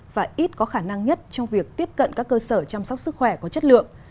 và ít có khả năng nhất trong việc tiếp cận các cơ sở chăm sóc sức khỏe có chất lượng